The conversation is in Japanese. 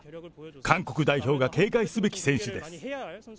韓国代表が警戒すべき選手です。